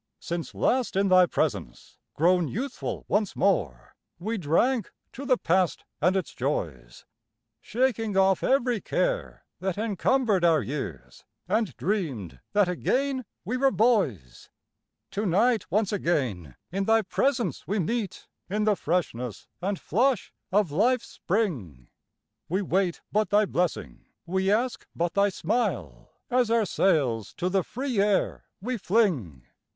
Since last in thy presence, grown youthful once more, We drank to the past and its joys, Shaking off every care that encumbered our years, And dreamed that again we were boys. To night once again in thy presence we meet In the freshness and flush of life's spring; We wait but thy blessing, we ask but thy smile, As our sails to the free air we fling.